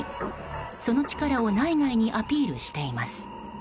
その力を内外にアピールしています。